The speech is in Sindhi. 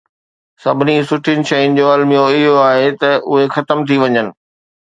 سڀني سٺين شين جو الميو اهو آهي ته اهي ختم ٿي وڃن.